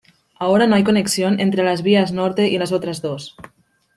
Ahora no hay conexión entre las vías norte y las otras dos.